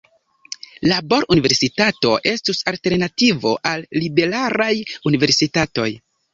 Labor-universitato estus alternativo al "liberalaj" universitatoj.